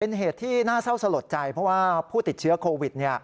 เป็นเหตุที่น่าเศร้าสลดใจเพราะว่าผู้ติดเชื้อโควิด